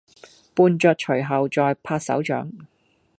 伴著隨後在拍手掌